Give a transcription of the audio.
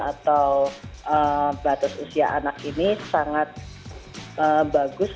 atau batas usia anak ini sangat bagus